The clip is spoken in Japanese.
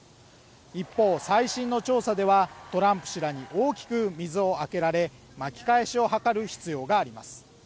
一方最新の調査ではトランプ氏らに大きく水をあけられ巻き返しを図る必要があります